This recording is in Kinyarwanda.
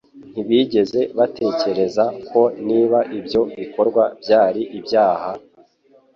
Ntibigeze batekereza ko niba ibyo bikorwa byari ibyaha,